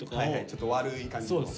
ちょっと悪い感じの。